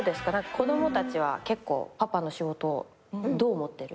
子供たちはパパの仕事どう思ってる？